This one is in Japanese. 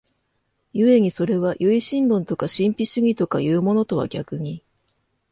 故にそれは唯心論とか神秘主義とかいうものとは逆に、